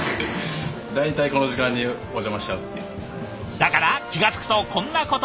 だから気が付くとこんなことに。